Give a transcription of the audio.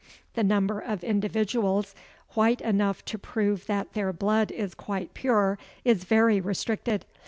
The number of individuals white enough to prove that their blood is quite pure is very restricted.